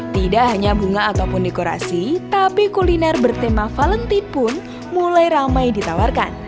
tidak hanya bunga ataupun dekorasi tapi kuliner bertema valenti pun mulai ramai ditawarkan